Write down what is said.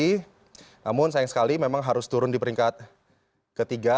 namun sayang sekali memang harus turun di peringkat ketiga